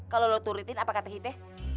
kalau lo turutin apa kata kita